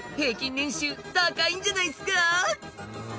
年収高いんじゃないっすか？